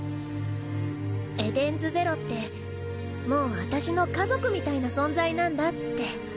エデンズゼロってもう私の家族みたいな存在なんだって。